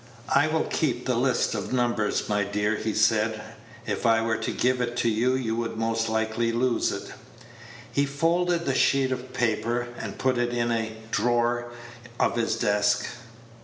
"I will keep the list of numbers, my dear," he said. "If I were to give it to you, you would most likely lose it." He folded the sheet of paper, and put it in a drawer of his desk.